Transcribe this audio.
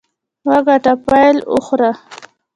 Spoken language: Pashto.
وګټه، پیل وخوره.